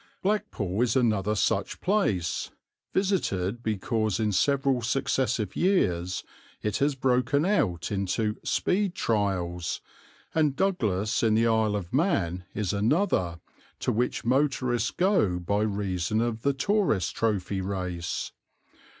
Blackpool is another such place, visited because in several successive years it has broken out into "speed trials," and Douglas in the Isle of Man is another, to which motorists go by reason of the Tourist Trophy Race.